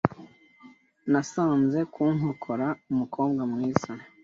Nasanze ku nkokora umukobwa mwiza.